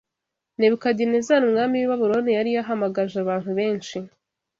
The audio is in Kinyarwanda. Nebukadinezari umwami w’i Babuloni yari yahamagaje abantu benshi